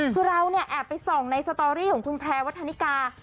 คือเราเนี่ยแอบไปส่องในสตอรี่ของคุณแพรวัฒนิกา